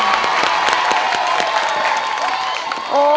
หัวใจเหมือนไฟร้อน